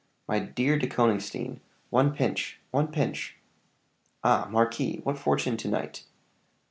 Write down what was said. "My dear De Konigstein one pinch one pinch!" "Ah! marquis, what fortune to night?"